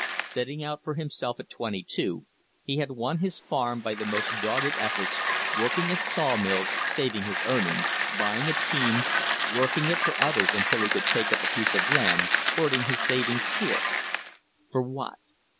Setting out for himself at twenty two, he had won his farm by the most dogged efforts, working in saw mills, saving his earnings, buying a team, working it for others until he could take up a piece of land, hoarding his savings here. For what?